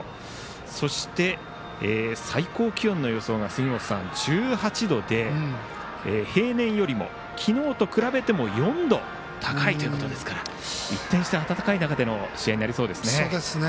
そして最高気温の予想が１８度で平年よりも昨日と比べても４度高いということですから一転して暖かい中での試合となりそうですね。